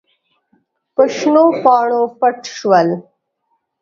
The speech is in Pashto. په شنو پاڼو پټ شول.